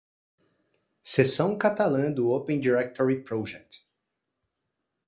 Seção catalã do Open Directory Project.